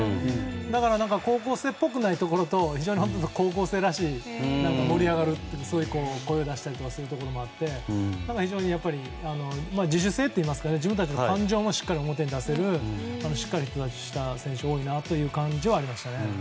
だから高校生っぽくないところと非常に高校生らしく、声を出して盛り上がるところもあって非常に自主性といいますけど自分たちの感情も表に出せるしっかりした選手が多いなという感じはありましたね。